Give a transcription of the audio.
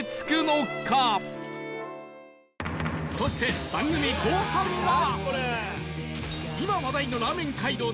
そして番組後半は